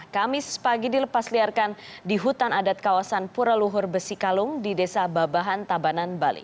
kamis pagi dilepasliarkan di hutan adat kawasan pura luhur besi kalung di desa babahan tabanan bali